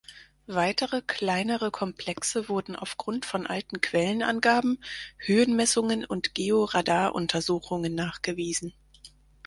Weitere kleinere Komplexe wurden auf Grund von alten Quellenangaben, Höhenmessungen und Geo-Radar-Untersuchungen nachgewiesen.